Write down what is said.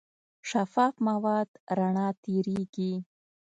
شفاف مواد رڼا تېرېږي.